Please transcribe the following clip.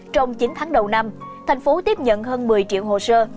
trong chín tháng đầu năm thành phố tiếp nhận hơn một mươi triệu hồ sơ